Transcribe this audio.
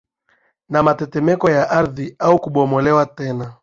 na matetemeko ya ardhi au kubomolewa tena